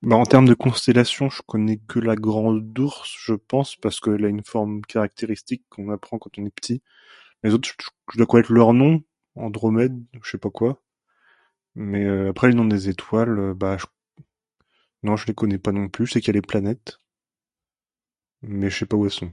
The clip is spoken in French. Ben, en terme de constellations, j'connais que la grande ourse, je pense, parce que elle a une forme caractéristique qu'on apprend quand on est petit. Les autres j'dois connaître leur nom, Andromède, j'sais pas quoi, mais, euh, après le nom des étoiles, ben non, j'les connais pas non plus, je sais qu'il y a les planètes mais j'sais pas où elles sont.